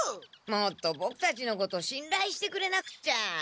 もっとボクたちのことしんらいしてくれなくっちゃ！